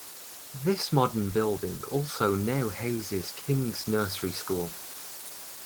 This modern building also now houses King's Nursery School.